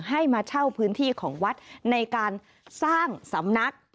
ให้มาเช่าพื้นที่ของวัดในการสร้างสำนัก